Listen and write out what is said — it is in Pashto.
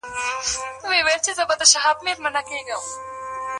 ولي ګاونډي هېوادونه باید له افغان کډوالو سره ښه چلند وکړي؟